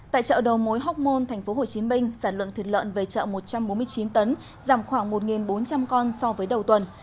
tại chợ đầu mối hóc môn tp hcm sản lượng thịt lợn về chợ một trăm bốn mươi chín tấn giảm khoảng một bốn trăm linh con so với đầu tuần